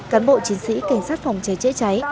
cán bộ chiến sĩ cảnh sát phòng cháy chữa cháy